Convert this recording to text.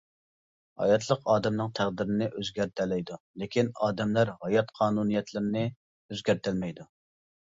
ھاياتلىق ئادەمنىڭ تەقدىرىنى ئۆزگەرتەلەيدۇ، لېكىن، ئادەملەر ھايات قانۇنىيەتلىرىنى ئۆزگەرتەلمەيدۇ.